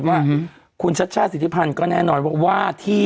ว่าคุณชัชชาศศิริพรรณก็แน่นอนว่าที่